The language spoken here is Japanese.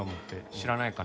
知らないかな？